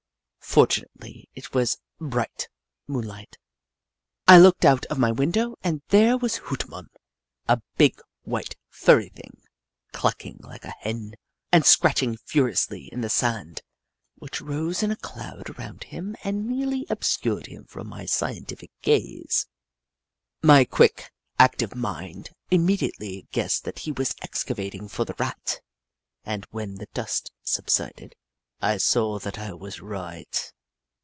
For tunately it was bright moonlight. Hoot Mon 207 I looked out of my window and there was Hoot Mon, a big white furry thing, clucking like a Hen and scratching furiously in the sand, which rose in a cloud around him and nearly obscured him from my scientific gaze. My quick, active mind immediately guessed that he was excavating for the Rat, and when the dust subsided, I saw that I was right.